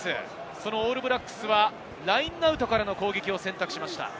そのオールブラックスはラインアウトからの攻撃を選択しました。